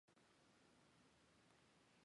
我现在站在宿舍前面